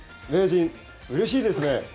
名人うれしいですね。